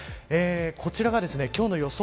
こちらが、今日の予想